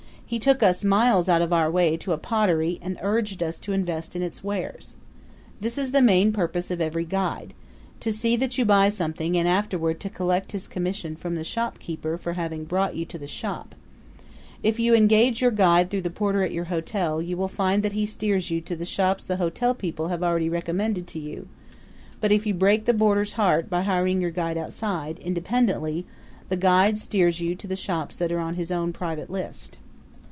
He took us miles out of our way to a pottery and urged us to invest in its wares. This is the main purpose of every guide: to see that you buy something and afterward to collect his commission from the shopkeeper for having brought you to the shop. If you engage your guide through the porter at your hotel you will find that he steers you to the shops the hotel people have already recommended to you; but if you break the porter's heart by hiring your guide outside, independently, the guide steers you to the shops that are on his own private list.